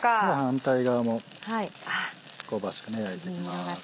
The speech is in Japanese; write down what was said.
反対側も香ばしく焼いていきます。